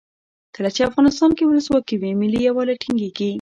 کله چې افغانستان کې ولسواکي وي ملي یووالی ټینګیږي.